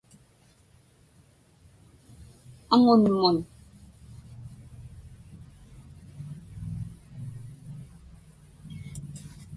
aŋunmun